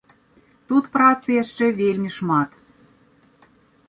Тут працы яшчэ вельмі шмат.